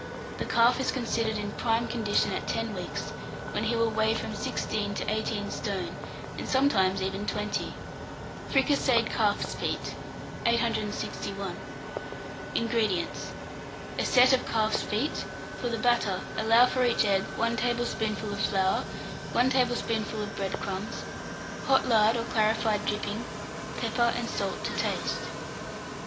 The calf is considered in prime condition at ten weeks, when he will weigh from sixteen to eighteen stone, and sometimes even twenty. FRICASSEED CALF'S FEET. 861. INGREDIENTS. A set of calf's feet; for the batter allow for each egg 1 tablespoonful of flour, 1 tablespoonful of bread crumbs, hot lard or clarified dripping, pepper and salt to taste.